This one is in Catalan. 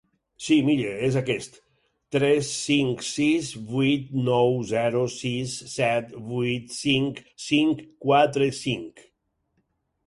Sí, miri, és aquest: tres cinc sis vuit nou zero sis set vuit cinc cinc quatre cinc.